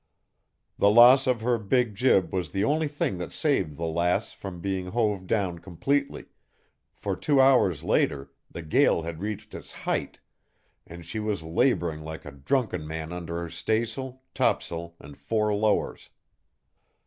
The loss of her big jib was the only thing that saved the Lass from being hove down completely, for two hours later the gale had reached its height, and she was laboring like a drunken man under her staysail, topsail, and four lowers.